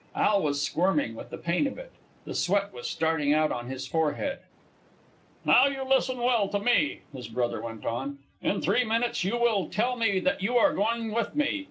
Al was squirming with the pain of it. The sweat was starting out on his forehead. "Now listen well to me," his brother went on. "In three minutes you will tell me that you are going with me.